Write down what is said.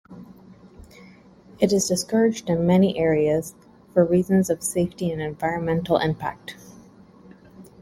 It is discouraged in many areas, for reasons of safety and environmental impact.